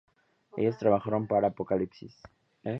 Ellos trabajaron para Apocalipsis.